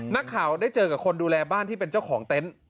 นักข่าวได้เจอกับคนดูแลบ้านที่เป็นเจ้าของเต็นต์